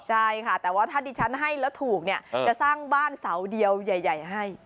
ใช่ค่ะแต่ว่าถ้าดิฉันให้แล้วถูกเนี่ยจะสร้างบ้านเสาเดียวใหญ่ให้